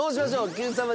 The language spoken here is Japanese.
Ｑさま！！